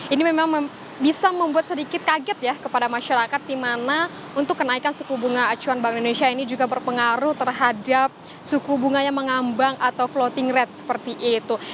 ini memang bisa membuat sedikit kaget ya kepada masyarakat di mana untuk kenaikan suku bunga acuan bank indonesia ini juga berpengaruh terhadap suku bunganya mengambang atau floating rate seperti itu